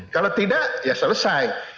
kalau tidak ya selesai